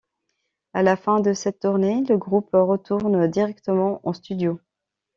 À la fin de cette tournée, le groupe retourne directement en studio.